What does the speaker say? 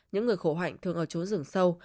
những người khổ hạnh thường ở chốn rừng sâu